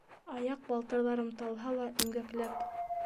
Аяҡ балтырҙарым талһа ла, имгәкләп...